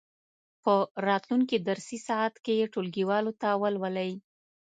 په راتلونکې درسي ساعت کې یې ټولګیوالو ته ولولئ.